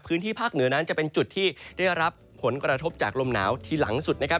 พื้นที่ภาคเหนือนั้นจะเป็นจุดที่ได้รับผลกระทบจากลมหนาวทีหลังสุดนะครับ